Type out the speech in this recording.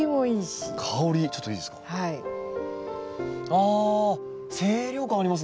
あ清涼感ありますね。